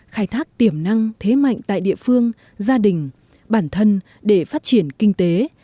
khai thác tiềm năng thế mạnh tại địa phương gia đình bản thân để phát triển kinh tế